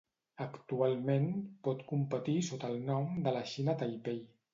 Actualment, pot competir sota el nom de la Xina Taipei.